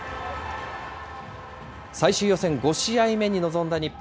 最終予選５試合目に臨んだ日本。